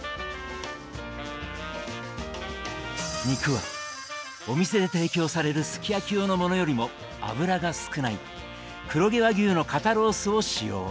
肉はお店で提供されるすき焼き用のものよりも脂が少ない黒毛和牛の肩ロースを使用。